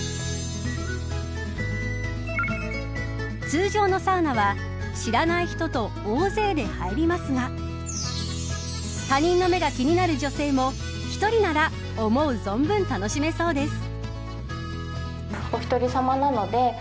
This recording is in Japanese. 通常のサウナは知らない人と大勢で入りますが他人の目が気になる女性も１人なら思う存分楽しめそうです。